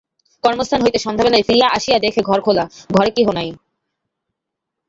কর্মস্থান হইতে সন্ধ্যাবেলায় ফিরিয়া আসিয়া দেখে ঘর খোলা, ঘরে কেহ নাই।